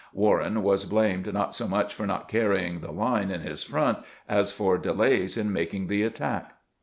"Warren was blamed not so much for not carrying the line in his front as for de lays in making the attack.